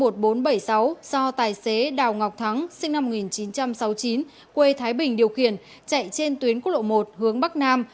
do tài xế đào ngọc thắng sinh năm một nghìn chín trăm sáu mươi chín quê thái bình điều khiển chạy trên tuyến quốc lộ một hướng bắc nam